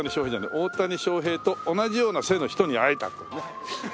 大谷翔平と同じような背の人に会えたというね。